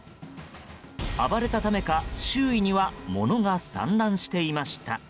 暴れたためか周囲には物が散乱していました。